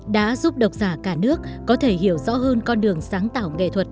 đã giúp độc giả cả nước có thể hiểu rõ hơn con đường sáng tạo nghệ thuật